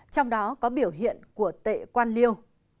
trong đó có biểu hiện của tệ quan liêu